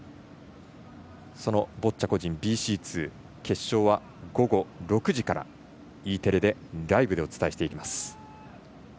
そのボッチャ個人ＢＣ２決勝は午後６時からＥテレでライブでお伝えしていきます。